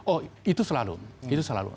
oh itu selalu